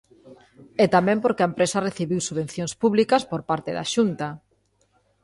E tamén porque a empresa recibiu subvencións públicas por parte da Xunta.